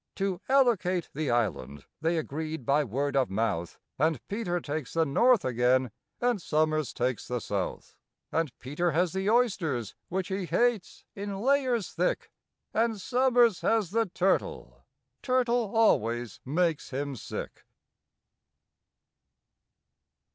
To allocate the island they agreed by word of mouth, And PETER takes the north again, and SOMERS takes the south; And PETER has the oysters, which he hates, in layers thick, And SOMERS has the turtle—turtle always makes him sick.